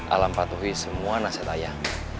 alam patuhi semua nasib ayah